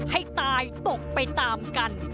ให้ตายตกไปตามกัน